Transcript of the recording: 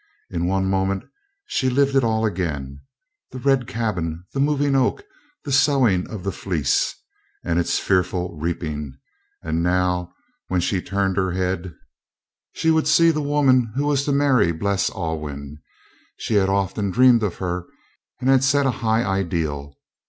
In one moment she lived it all again the red cabin, the moving oak, the sowing of the Fleece, and its fearful reaping. And now, when she turned her head, she would see the woman who was to marry Bles Alwyn. She had often dreamed of her, and had set a high ideal.